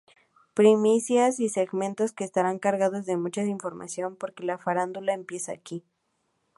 Primicias y segmentos que estarán cargados de mucha información, porque la farándula empieza aquí.